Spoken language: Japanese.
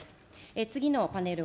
次のパネル